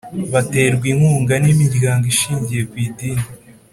Baterwa inkunga n’ Imiryango ishingiye ku Idini